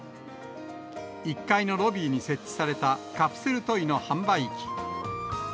１階のロビーに設置されたカプセルトイの販売機。